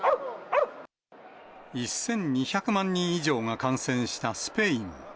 １２００万人以上が感染したスペイン。